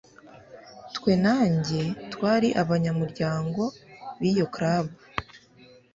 Twe na njye twari abanyamuryango biyo club